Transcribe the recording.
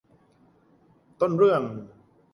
ต้นเรื่อง